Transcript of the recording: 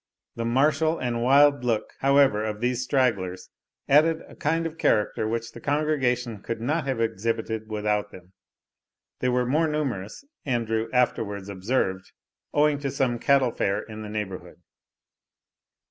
The martial and wild look, however, of these stragglers, added a kind of character which the congregation could not have exhibited without them. They were more numerous, Andrew afterwards observed, owing to some cattle fair in the neighbourhood.